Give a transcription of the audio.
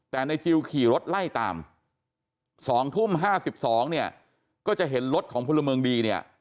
แต่นายจิลขี่รถไล่ตาม๒ทุ่ม๕๒ก็จะเห็นรถของพลเมืองดี